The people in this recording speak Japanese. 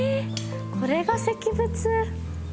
これが石仏。